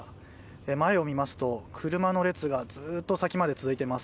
前を見ますと車の列がずっと先まで続いています。